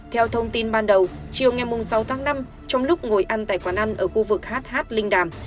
theo thông tin ban đầu chiều ngày sáu tháng năm trong lúc ngồi ăn tại quán ăn ở khu vực hh linh đàm